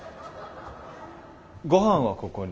ごはんはここに？